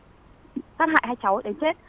các cháu đã đưa hai cháu vào trong nhà đập lên giường